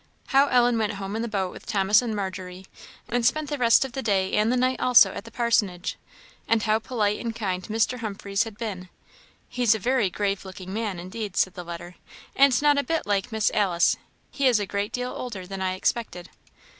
How Ellen went home in the boat with Thomas and Margery, and spent the rest of the day and the night also at the parsonage; and how polite and kind Mr. Humphreys had been. "He's a very grave looking man, indeed," said the letter, "and not a bit like Miss Alice; he is a great deal older than I expected."